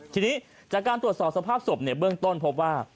ทีนี้จากการตรวจสอบสภาพศพเบื้องต้นพบว่า